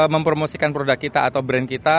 mempromosikan produk kita atau brand kita